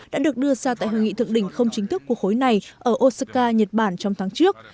đã được đưa ra tại hội nghị thượng đỉnh không chính thức của khối này ở osaka nhật bản trong tháng trước